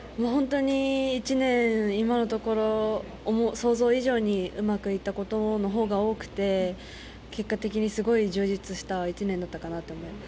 １年今のところ想像以上にうまくいったことのほうが多くて、結果的に充実した１年だったと思います。